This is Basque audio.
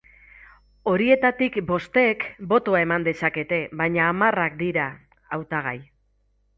Horietatik bostek botoa eman dezakete, baina hamarrak dira hautagai.